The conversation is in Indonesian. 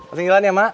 asing jalan ya mak